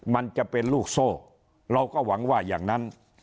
มันจะเป็นลูกโซ่เราก็หวังว่าอย่างนั้น